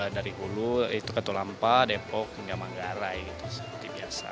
dari hulu itu ketulampa depok hingga manggare gitu seperti biasa